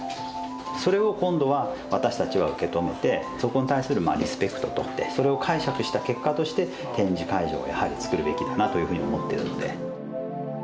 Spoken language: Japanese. それを今度は私たちは受け止めてそこに対するリスペクトとそれを解釈した結果として展示会場をやはりつくるべきだなというふうに思ってるので。